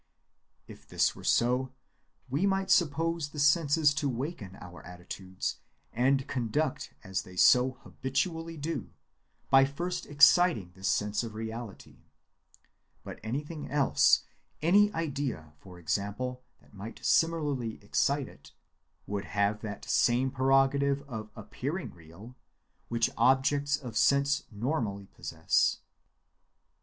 If this were so, we might suppose the senses to waken our attitudes and conduct as they so habitually do, by first exciting this sense of reality; but anything else, any idea, for example, that might similarly excite it, would have that same prerogative of appearing real which objects of sense normally possess.